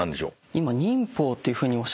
今。